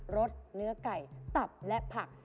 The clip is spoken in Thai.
รสเนื้อไก่ตับและผัก